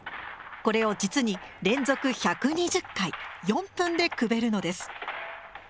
これを実に連続１２０回４分でくべるのです。